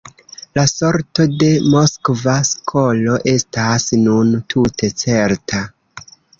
La sorto de Moskva skolo estas nun tute certa.